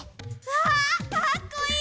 わかっこいい！